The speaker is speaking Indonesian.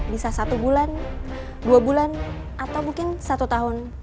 bisa satu bulan dua bulan atau mungkin satu tahun